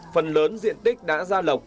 phần lớn diện tích đã ra lọc